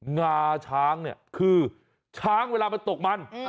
งาช้างเนี่ยคือช้างเวลามันตกมัน